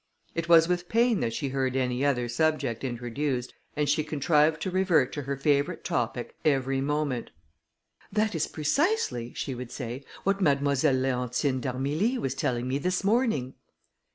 It was with pain that she heard any other subject introduced, and she contrived to revert to her favourite topic every moment. "That is precisely," she would say, "what Mademoiselle Leontine d'Armilly was telling me this morning."